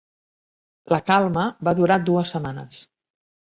La calma va durar dues setmanes.